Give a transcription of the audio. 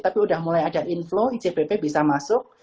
tapi sudah mulai ada inflow icpp bisa masuk